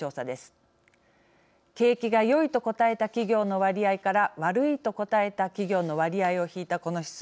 景気が良いと答えた企業の割合から悪いと答えた企業の割合を引いたこの指数。